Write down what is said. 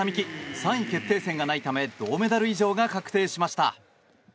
３位決定戦がないため銅メダル以上が確定しました。